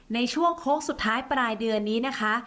ในช่วงโค้งสุดท้ายปลายเดือนนี้นะคะ